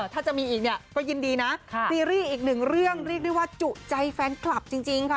ถ้าจะมีอีกเนี่ยก็ยินดีนะซีรีส์อีกหนึ่งเรื่องเรียกได้ว่าจุใจแฟนคลับจริงค่ะ